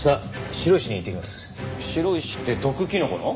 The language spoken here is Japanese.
白石って毒キノコの？